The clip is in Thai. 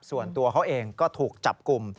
ส่วนตัวเขาเองก็ถูกจับกลุ่ม